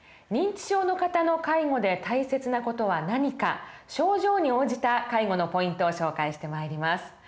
認知症の方の介護で大切な事は何か症状に応じた介護のポイントを紹介してまいります。